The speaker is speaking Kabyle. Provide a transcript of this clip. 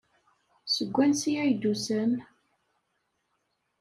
Seg wansi ay d-usan?